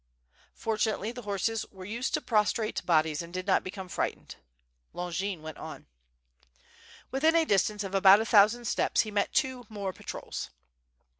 Fortunately the horses were used to prostrate bodies and did not become frightened. Longin went on. Within a distance of about a thousand steps, he met two more patrols.